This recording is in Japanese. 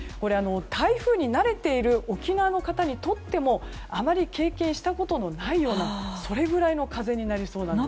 台風に慣れている沖縄の方にとってもあまり経験したことのないようなそれぐらいの風になりそうです。